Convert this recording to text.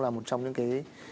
là một trong những cái